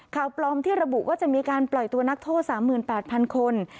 ข่าวปลอมที่ระบุว่าจะมีการปล่อยตัวนักโทษ๓๘๐๐๐คน